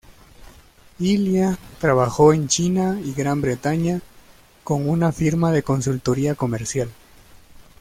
Ilya trabajó en China y Gran Bretaña con una firma de consultoría comercial.